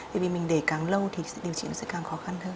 tại vì mình để càng lâu thì điều trị nó sẽ càng khó khăn hơn